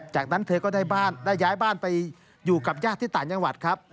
จากนั้นเธอก็ได้บ้านได้ย้ายบ้านไปอยู่กับญาติที่ต่างจังหวัดครับ